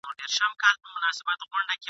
د شیدو پر ویاله ناسته سپینه حوره ..